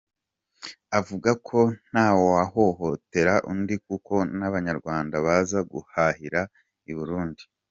Avuga ko nta wahohotera undi kuko n’Abanyarwanda baza guhahira i Burundi.